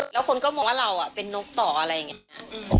แล้วคนก็มองว่าเราเป็นนกต่ออะไรอย่างนี้